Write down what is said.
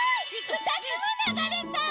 ふたつもながれた！